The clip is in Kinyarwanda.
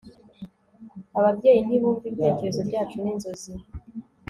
ababyeyi ntibumva ibitekerezo byacu ninzozi